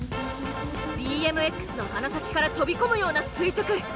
ＢＭＸの鼻先から飛び込むような垂直。